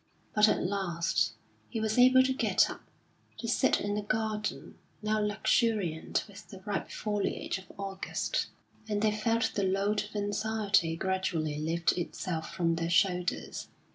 But at last he was able to get up, to sit in the garden, now luxuriant with the ripe foliage of August; and they felt the load of anxiety gradually lift itself from their shoulders.